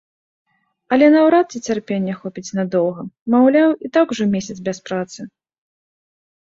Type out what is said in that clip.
Але наўрад ці цярпення хопіць надоўга, маўляў, і так ужо месяц без працы.